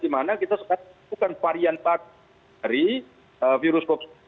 dimana kita sekarang bukan variant dari virus covid sembilan belas